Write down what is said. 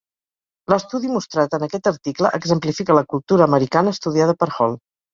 L'estudi mostrat en aquest article exemplifica la cultura americana estudiada per Hall.